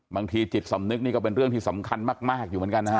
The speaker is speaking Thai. จิตสำนึกนี่ก็เป็นเรื่องที่สำคัญมากอยู่เหมือนกันนะฮะ